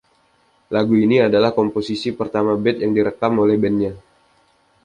Lagu ini adalah komposisi pertama Bett yang direkam oleh bandnya.